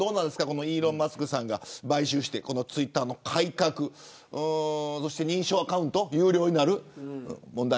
このイーロン・マスクさんが買収して、ツイッターの改革認証アカウントが有料になる。